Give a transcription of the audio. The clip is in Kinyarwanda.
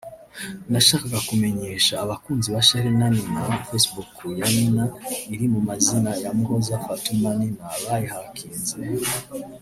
Nashakaga kumenyesha abakunzi ba charly na Nina ko facebook ya Nina iri mumazina ya Muhoza fatuma nina bayihackinze